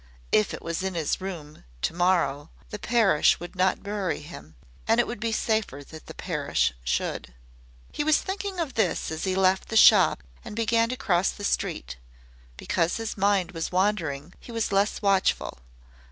If it was in his room to morrow the parish would not bury him, and it would be safer that the parish should. He was thinking of this as he left the shop and began to cross the street. Because his mind was wandering he was less watchful.